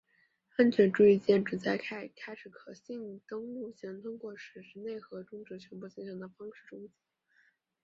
安全注意键旨在在开始可信登录前通过使内核终止全部进程的方式终结。